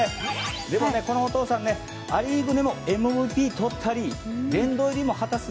でも、このお父さんア・リーグでもＭＶＰをとったり殿堂入りも果たす。